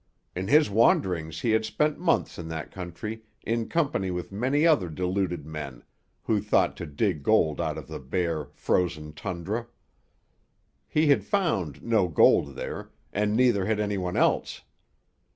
In his wanderings he had spent months in that country in company with many other deluded men who thought to dig gold out of the bare, frozen tundra. He had found no gold there, and neither had any one else.